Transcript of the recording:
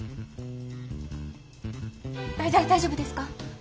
大大丈夫ですか？